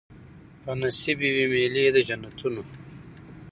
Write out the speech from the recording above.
په نصیب یې وي مېلې د جنتونو